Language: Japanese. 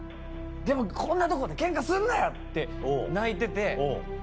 でもこんなとこでケンカするなよ」って泣いてて。